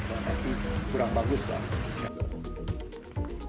tapi kurang bagus lah